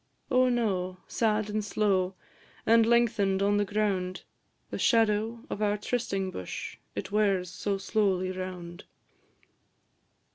Oh, no! sad and slow, And lengthen'd on the ground; The shadow of our trysting bush It wears so slowly round.